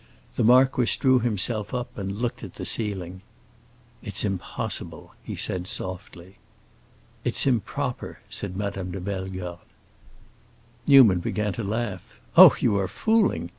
The marquis drew himself up and looked at the ceiling. "It's impossible!" he said softly. "It's improper," said Madame de Bellegarde. Newman began to laugh. "Oh, you are fooling!"